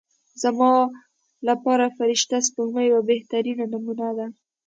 زما لپاره فرشته سپوږمۍ یوه بهترینه نمونه ده.